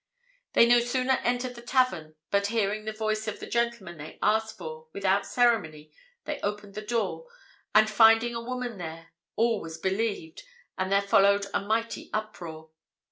They no sooner entered the tavern but hearing the voice of the gentleman they asked for, without ceremony they opened the door, and finding a woman there, all was believed, and there followed a mighty uproar.